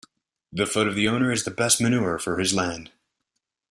The foot of the owner is the best manure for his land.